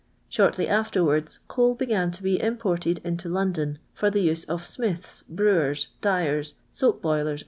Shortly afterwards coul began to be imported into Loudon for the use of Miitlis, brewers, dyers, soap boilers, &c.